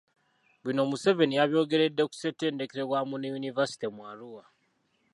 Bino, Museveni yabyogeredde ku ssettendekero wa Muni University mu Arua.